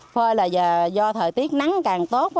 phơi là do thời tiết nắng càng tốt